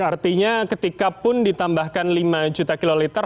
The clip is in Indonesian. artinya ketikapun ditambahkan lima juta kiloliter